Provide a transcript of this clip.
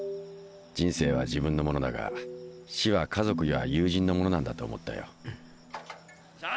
人生は自分のものだが死は家族や友人のものなんだと思ったよ。